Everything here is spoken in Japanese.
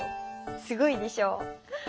すごいでしょう！